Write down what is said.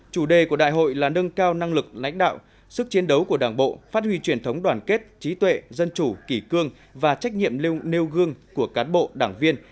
chủ đề của đại hội là nâng cao năng lực lãnh đạo sức chiến đấu của đảng bộ phát huy truyền thống đoàn kết trí tuệ dân chủ kỷ cương và trách nhiệm nêu gương của cán bộ đảng viên